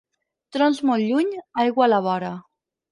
Trons molt lluny, aigua a la vora.